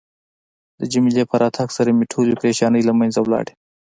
د جميله په راتګ سره مې ټولې پریشانۍ له منځه لاړې.